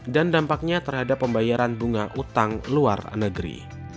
dan dampaknya terhadap pembayaran bunga utang luar negeri